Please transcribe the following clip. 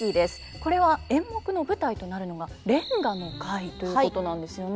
これは演目の舞台となるのが連歌の会ということなんですよね。